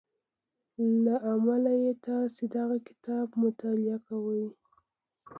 له امله يې تاسې دغه کتاب مطالعه کوئ.